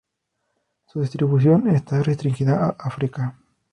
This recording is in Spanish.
Su distribución está restringida a África.